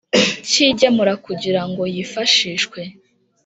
cy igemura kugira ngo yifashishwe